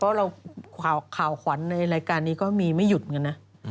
เพราะเราข่าวขวัญในรายการนี้ก็มีไม่หยุดอย่างนั้นนะ